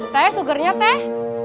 teh sugernya teh